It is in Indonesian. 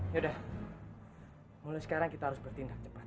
yaudah mulai sekarang kita harus bertindak cepat